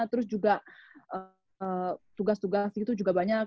terus juga tugas tugas itu juga banyak